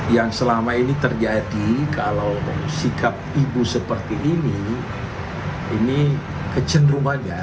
yang selama ini terjadi kalau sikap ibu seperti ini ini kecenderungannya